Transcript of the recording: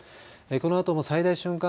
このあとも最大瞬間